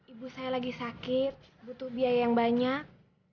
ibu saya lagi sakit butuh biaya yang banyak